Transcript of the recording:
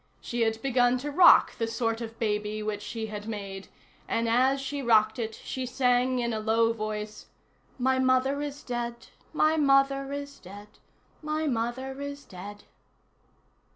She had begun to rock the sort of baby which she had made, and, as she rocked it, she sang in a low voice, "My mother is dead! my mother is dead! my mother is dead!"